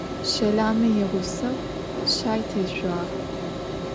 Щэламэ игъусэу щаи тешъуагъ.